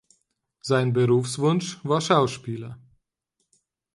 Sein Berufswunsch war Schauspieler.